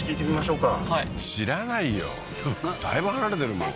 知らないよだいぶ離れてるもん